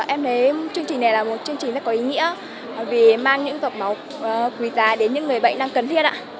em thấy chương trình này là một chương trình rất có ý nghĩa vì mang những giọt máu quý giá đến những người bệnh đang cần thiết ạ